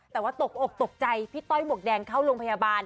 แต่ว่าตกอกตกใจพี่ต้อยหมวกแดงเข้าโรงพยาบาล